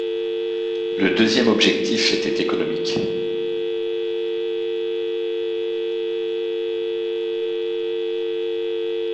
Le deuxième objectif était économique.